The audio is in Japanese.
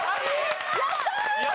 やった！